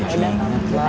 ya udah kamu percaya